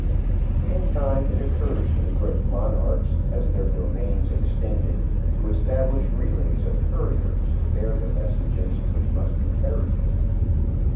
In time it occurred to the great monarchs as their domains extended to establish relays of couriers to bear the messages which must be carried.